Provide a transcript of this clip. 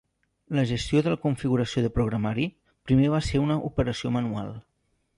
La gestió de la configuració de programari primer va ser una operació manual.